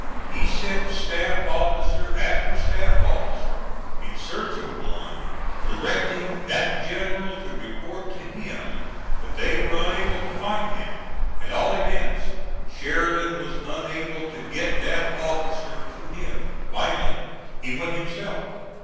He sent staff officer after staff officer in search of Warren, directing that general to report to him, but they were unable to find him. At all events Sheridan was unable to get that officer to him. Finally he went himself.